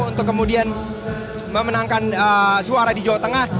untuk kemudian memenangkan suara di jawa tengah